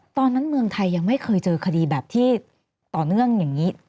เมืองไทยยังไม่เคยเจอคดีแบบที่ต่อเนื่องอย่างนี้